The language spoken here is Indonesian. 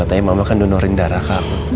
katanya mama kan donorin darah kak